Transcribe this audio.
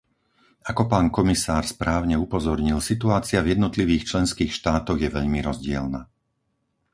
Ako pán komisár správne upozornil, situácia v jednotlivých členských štátoch je veľmi rozdielna.